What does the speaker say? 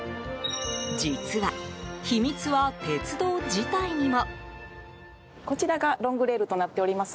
実は、秘密は鉄道自体にも。